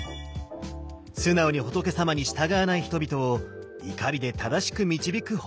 素直に仏様に従わない人々を怒りで正しく導く仏様。